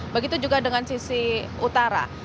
begitu juga dengan sisi utara